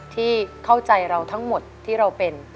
ที่เข้าใจเราทั้งหมดที่เราเป็น